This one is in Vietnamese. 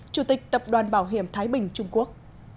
chủ tịch tập đoàn bảo hiểm thái bình trung quốc